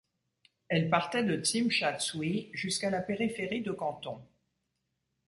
Elle partait de Tsim Sha Tsui jusqu'à la périphérie de Canton.